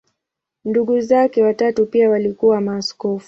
Ndugu zake watatu pia walikuwa maaskofu.